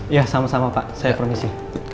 ya sama sama pak saya permisi